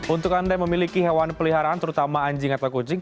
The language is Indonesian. untuk anda yang memiliki hewan peliharaan terutama anjing atau kucing